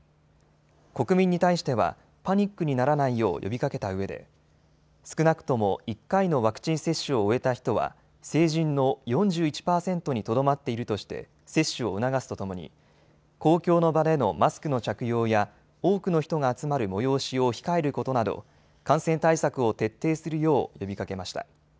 国民に対してはパニックにならないよう呼びかけたうえで少なくとも１回のワクチン接種を終えた人は成人の４１％にとどまっているとして接種を促すとともに公共の場でのマスクの着用や多くの人が集まる催しを控えることなど感染対策を徹底するよう呼びかけました。